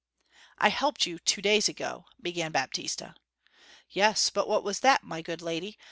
'I helped you two days ago,' began Baptista. 'Yes but what was that, my good lady?